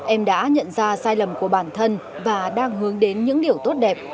em đã nhận ra sai lầm của bản thân và đang hướng đến những điều tốt đẹp